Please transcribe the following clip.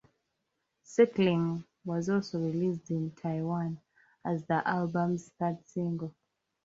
"Settling" was also released in Taiwan as the album's third single.